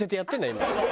今。